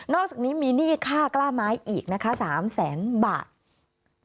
อกจากนี้มีหนี้ค่ากล้าไม้อีกนะคะ๓แสนบาท